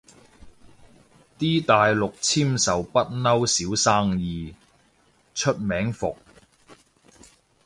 啲大陸簽售不嬲少生意，出名伏